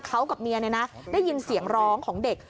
ก็เห็นว่าเขากับเมียนะได้ยินเสียงร้องของเด็ก